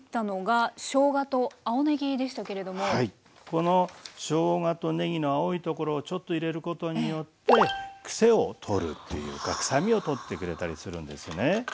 このしょうがとねぎの青いところをちょっと入れることによってくせを取るっていうか臭みを取ってくれたりするんですね。